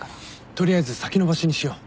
取りあえず先延ばしにしよう。